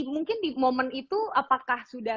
mungkin di momen itu apakah sudah